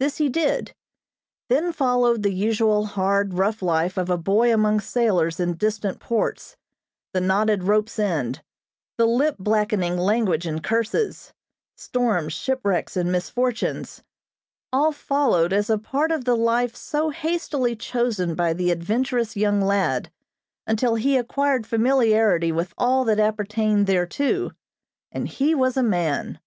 This he did. Then followed the usual hard, rough life of a boy among sailors in distant ports; the knotted rope's end, the lip blackening language and curses, storms, shipwrecks and misfortunes; all followed as a part of the life so hastily chosen by the adventurous young lad, until he acquired familiarity with all that appertained thereto, and he was a man.